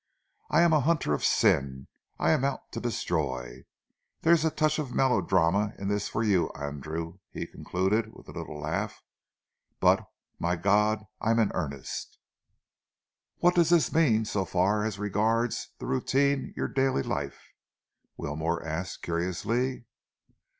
I am a hunter of sin. I am out to destroy. There's a touch of melodrama in this for you, Andrew," he concluded, with a little laugh, "but, my God, I'm in earnest!" "What does this mean so far as regards the routine of your daily life?" Wilmore asked curiously.